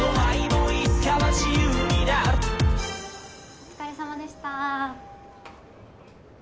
お疲れさまでした。